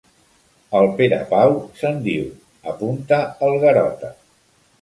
El Perepau se'n diu —apunta el Garota.